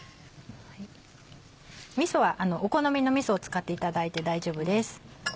みそはお好みのみそを使っていただいて大丈夫です。